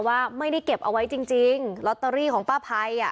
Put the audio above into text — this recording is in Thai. ว่าไม่ได้เก็บเอาไว้จริงจริงลอตเตอรี่ของป้าไพรอ่ะ